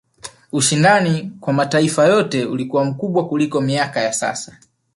ushindani kwa mataifa yote ulikuwa mkubwa kuliko miaka ya sasa